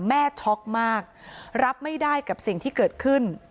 ช็อกมากรับไม่ได้กับสิ่งที่เกิดขึ้น